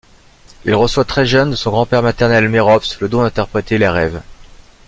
Il reçoit très jeune, de son grand-père maternel Mérops, le don d'interpréter les rêves.